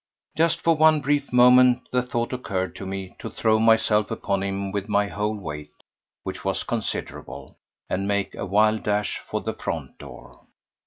Just for one brief moment the thought occurred to me to throw myself upon him with my whole weight—which was considerable—and make a wild dash for the front door.